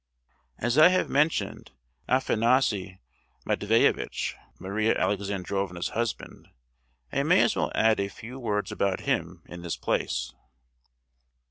As I have mentioned Afanassy Matveyevitch, Maria Alexandrovna's husband, I may as well add a few words about him in this place.